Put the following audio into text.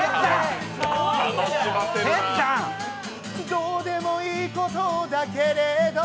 どうでもいいことだけれど、